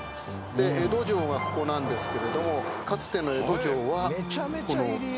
で江戸城がここなんですけれどかつての。ということで。